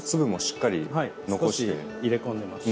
少し入れ込んでます。